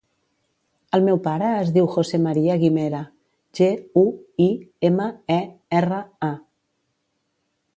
El meu pare es diu José maria Guimera: ge, u, i, ema, e, erra, a.